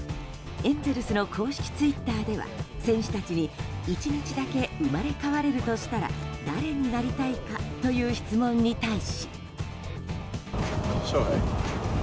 エンゼルスの公式ツイッターでは選手たちに１日だけ生まれ変われるとしたら誰になりたいか？という質問に対し。